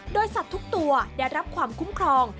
โดยสัตว์ทุกตัวได้รับความคุ้มครอง